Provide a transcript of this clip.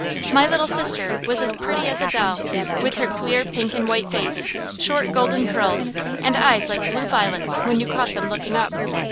My little sister was as pretty as a doll, with her clear pink and white face, short golden curls, and eyes like blue violets when you caught them looking up.